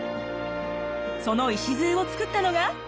その礎を作ったのが。